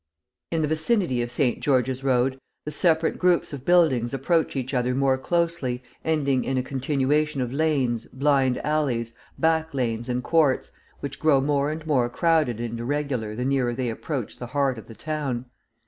In the vicinity of St. George's Road, the separate groups of buildings approach each other more closely, ending in a continuation of lanes, blind alleys, back lanes and courts, which grow more and more crowded and irregular the nearer they approach the heart of the town.